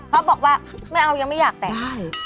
เขาบอกว่าไม่เอายังไม่อยากแต่ง